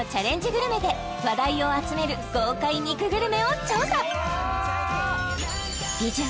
グルメで話題を集める豪快肉グルメを調査ビジュ